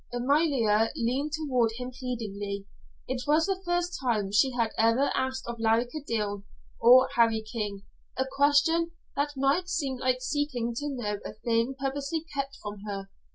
Amalia leaned toward him pleadingly. It was the first time she had ever asked of Larry Kildene or Harry King a question that might seem like seeking to know a thing purposely kept from her.